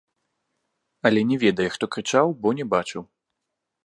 Але не ведае, хто крычаў, бо не бачыў.